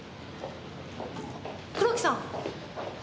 黒木さん！